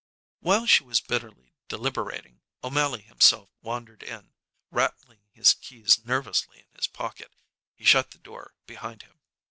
While she was bitterly deliberating, O'Mally himself wandered in, rattling his keys nervously in his pocket. He shut the door behind him.